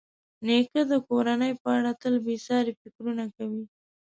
نیکه د کورنۍ په اړه تل بېساري فکرونه کوي.